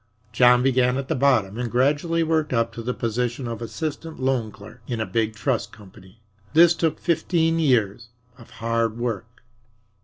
John began at the bottom and gradually worked up to the position of assistant loan clerk in a big trust company. This took fifteen years of hard work.